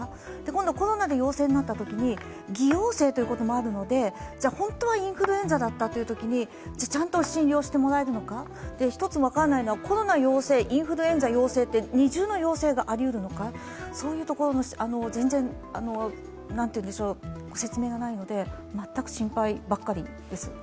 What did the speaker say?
今度、コロナで陽性になったときに偽陽性ということもあるので、本当はインフルエンザだったというときに、信用してもらえるのか１つ分からないのは、コロナ陽性、インフルエンザ陽性、二重の陽性がありうるのか、そういうところの、全然説明がないので全く、心配ばかりです。